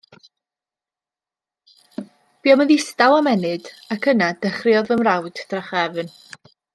Buom yn ddistaw am ennyd, ac yna dechreuodd fy mrawd drachefn.